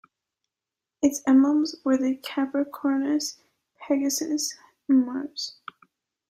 Its emblems were the Capricornus, Pegasus, Mars.